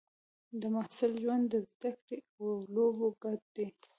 د محصل ژوند د زده کړې او لوبو ګډ دی.